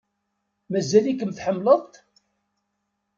Mazal-ikem tḥemmleḍ-t?